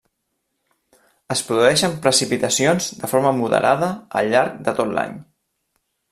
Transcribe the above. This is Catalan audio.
Es produeixen precipitacions de forma moderada al llarg de tot l'any.